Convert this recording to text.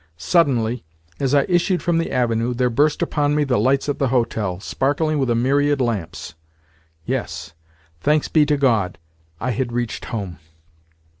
Suddenly, as I issued from the Avenue, there burst upon me the lights of the hotel, sparkling with a myriad lamps! Yes, thanks be to God, I had reached home!